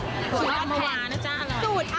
สูตรอัมภาวาจะอร่อยจะอร่อยจ้ะ